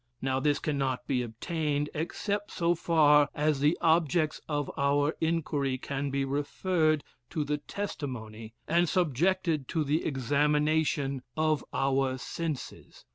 Now, this cannot be obtained, except so far as the objects of our inquiry can be referred to the testimony, and subjected to the examination of our senses.